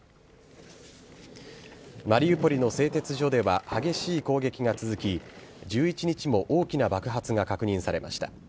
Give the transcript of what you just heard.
マリウポリの製鉄所では激しい攻撃が続き１１日も大きな爆発が確認されました。